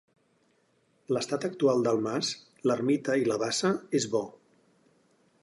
L’estat actual del mas, l’ermita i la bassa, és bo.